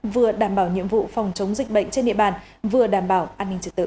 vừa đảm bảo nhiệm vụ phòng chống dịch bệnh trên địa bàn vừa đảm bảo an ninh trật tự